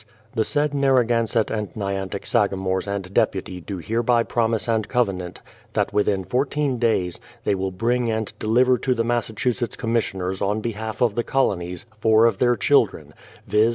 The said Narragansett and Nyantick sagamores and deputy do hereby promise and covenant that within 14 days, they will bring and deliver to the Massachusetts commissioners on behalf of the Colonies, four of their children, viz.